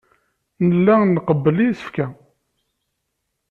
Nella nqebbel isefka.